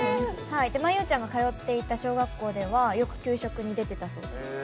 真悠ちゃんが通っていた小学校ではよく給食に出てたそうです。